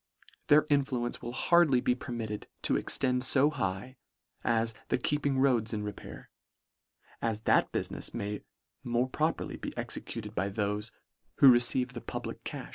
Their influence will hardly be permitted to extend fo high as the keep ing roads in repair, as that bulinefs may more properly be executed by thofe who receive the public cam.